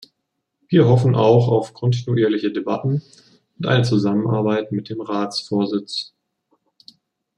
Wir hoffen auch auf kontinuierliche Debatten und eine Zusammenarbeit mit dem Ratsvorsitz.